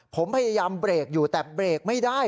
ผมพยายามเบรกอยู่แต่เบรกไม่ได้